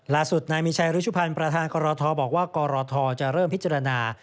ล่าสุดนายมีชัยรุชุพันธ์ประธานกรทบอกว่ากรทจะเริ่มพิจารณา